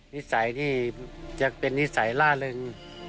นิสัยนี่จะเป็นนิสัยล่าเริง